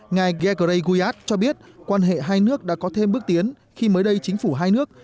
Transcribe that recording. ngài gekrey guit cho biết quan hệ hai nước đã có thêm bước tiến khi mới đây chính phủ hai nước